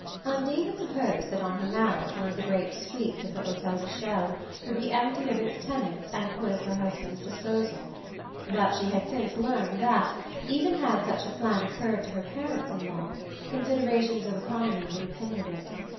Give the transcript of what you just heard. Undine had supposed that on her marriage one of the great suites of the Hotel de Chelles would be emptied of its tenants and put at her husband's disposal; but she had since learned that, even had such a plan occurred to her parents in law, considerations of economy would have hindered it.